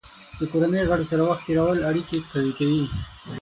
د کورنۍ غړو سره وخت تېرول اړیکې قوي کوي.